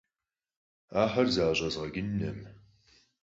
Ахэр зыӀэщӀэзгъэкӀынкъым.